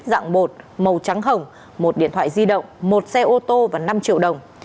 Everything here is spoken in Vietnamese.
dạng bột màu trắng hồng một điện thoại di động một xe ô tô và năm triệu đồng